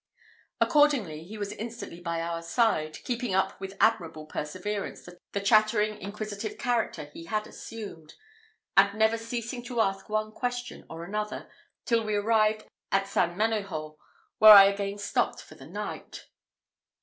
Accordingly, he was instantly by our side, keeping up with admirable perseverance the chattering, inquisitive character he had assumed; and never ceasing to ask one question or another, till we arrived at St. Ménéhould, where I again stopped for the night.